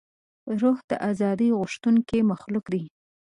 روح د ازادۍ غوښتونکی مخلوق دی.